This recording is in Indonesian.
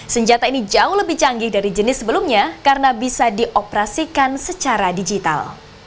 senjata ini jauh lebih canggih dari jenis sebelumnya karena bisa dioperasikan secara digital